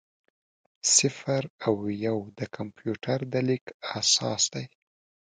صفر او یو د کمپیوټر د لیک اساس دی.